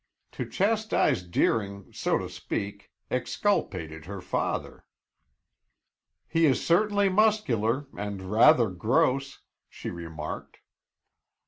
To chastise Deering, so to speak, exculpated her father. "He is certainly muscular, and rather gross," she remarked.